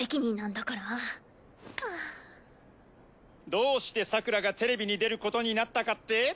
どうしてさくらがテレビに出ることになったかって？